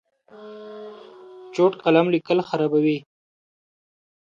چوټ قلم لیکل خرابوي.